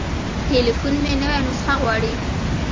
تليفون مې نوې نسخه غواړي.